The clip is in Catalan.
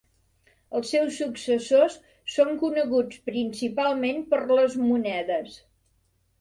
Els seus successors són coneguts principalment per les monedes.